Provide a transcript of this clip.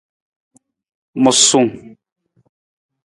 Musung.